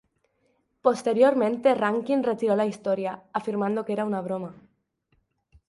Posteriormente Rankin retiró la historia, afirmando que era una broma.